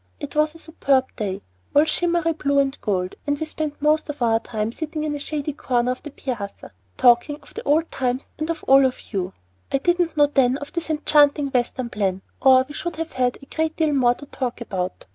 It was a superb day, all shimmery blue and gold, and we spent most of our time sitting in a shady corner of the piazza, and talking of the old times and of all of you. I didn't know then of this enchanting Western plan, or we should have had a great deal more to talk about.